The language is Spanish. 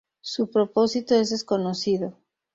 Su propósito es desconocido.